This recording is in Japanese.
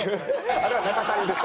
あれは中谷です。